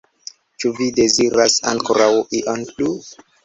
Ĉu vi deziras ankoraŭ ion plu?